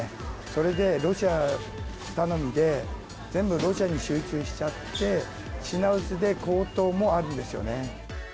それでロシア頼みで、全部ロシアに集中しちゃって、品薄で高騰もあるんですよね。